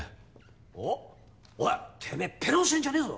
おっ？おいてめぇペロンしてんじゃねぇぞ。